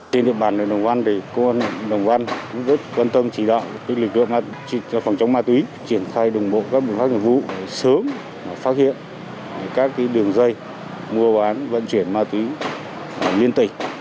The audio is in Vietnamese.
trên địa bàn đồng văn công an đồng văn rất quan tâm chỉ đạo lực lượng phòng chống ma túy triển khai đồng bộ các vụ phát triển vụ sớm phát hiện các đường dây mua bán vận chuyển ma túy liên tịch